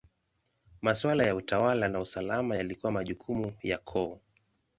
Maswala ya utawala na usalama yalikuwa majukumu ya koo.